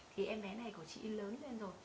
thì em bé này có trị lớn lên rồi